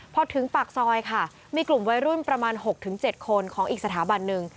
พอถึงปากซอยค่ะมีกลุ่มวัยรุ่นประมาณ๖๗คนของอีกสถาบันหนึ่ง